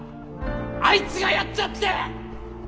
あいつがやったって。